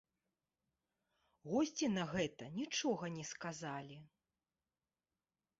Госці на гэта нічога не сказалі.